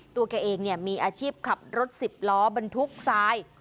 ตัวแกเองเนี่ยมีอาชีพขับรถ๑๐ล้อบนทุกซาย